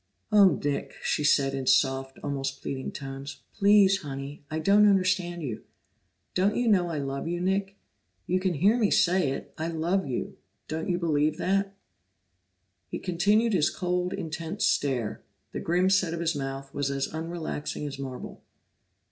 "Oh, Nick!" she said in soft, almost pleading tones. "Please, Honey I don't understand you. Don't you know I love you, Nick? You can hear me say it: I love you. Don't you believe that?" He continued his cold, intense stare; the grim set of his mouth was as unrelaxing as marble.